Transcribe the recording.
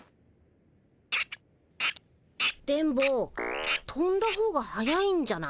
電ボ飛んだほうが早いんじゃない？